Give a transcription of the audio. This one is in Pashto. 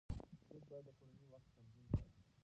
موږ باید د کورنۍ وخت تنظیم کړو